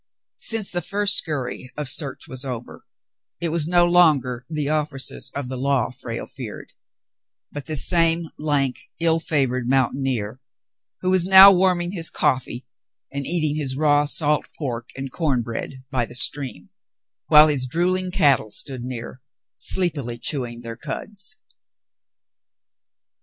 Since the first scurry of search was over, it was no longer the officers of the law Frale feared, but this same lank, ill favored mountaineer, who was now warming his coffee and eating his raw salt pork and corn bread by the stream, while his drooling cattle stood near, sleepily chewing their cuds.